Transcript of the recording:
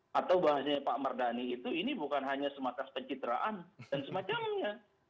atau bahasanya pak mardhani itu ini bukan hanya semata pencitraan dan semacamnya